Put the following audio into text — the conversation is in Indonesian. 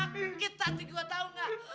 sakit hati gua tau gak